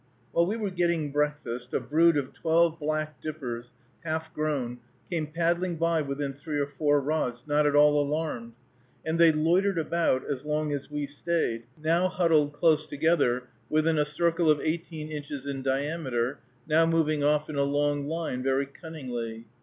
While we were getting breakfast, a brood of twelve black dippers, half grown, came paddling by within three or four rods, not at all alarmed; and they loitered about as long as we stayed, now huddled close together, within a circle of eighteen inches in diameter, now moving off in a long line, very cunningly.